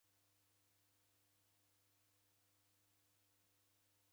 W'andu w'azerelo w'iendefunya bagha.